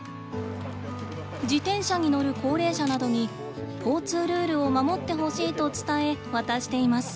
自転車に乗る高齢者などに交通ルールを守ってほしいと伝え渡しています。